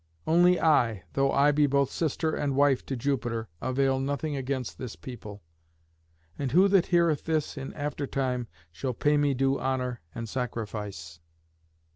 Only I, though I be both sister and wife to Jupiter, avail nothing against this people. And who that heareth this in after time shall pay me due honour and sacrifice?"